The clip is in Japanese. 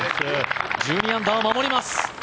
１２アンダー守ります。